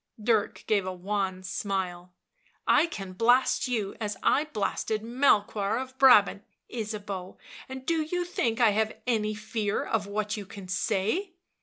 77 Dirk gave a w r an smile. " I can blast you as I blasted Melchoir of Brabant, Ysabeau, and do you think I have any fear of what you can say?